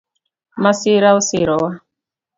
Masira osirowa